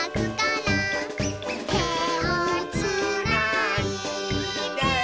「てをつないで」